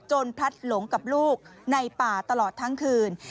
พลัดหลงกับลูกในป่าตลอดทั้งคืน